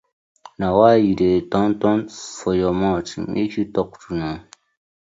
Na why yu dey turn turn for yah mouth, make yu talk true naw.